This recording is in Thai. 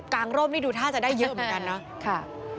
งร่มนี่ดูท่าจะได้เยอะเหมือนกันเนาะ